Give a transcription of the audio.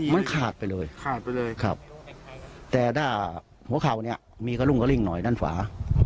มันขาดไปเลยแต่ด้าหัวเขาเนี่ยมีกระรุ่งกระริ่งหน่อยด้านฝา